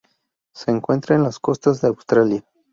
Se encuentra en las costas de Australia.